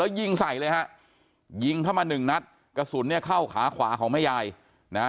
ยิงใส่เลยฮะยิงเข้ามาหนึ่งนัดกระสุนเนี่ยเข้าขาขวาของแม่ยายนะฮะ